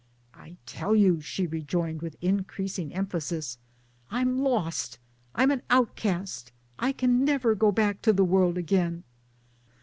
" I tell you," she rejoined with increasing emphasis, " I'm lost, I'm an outcast, I can never go back to the world again.